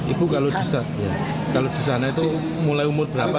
ibu kalau di sana itu mulai umur berapa